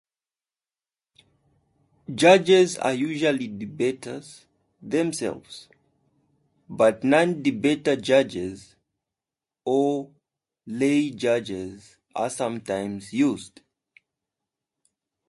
Judges are usually debaters themselves, but non-debater judges, or "lay judges", are sometimes used.